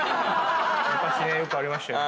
昔よくありましたよね。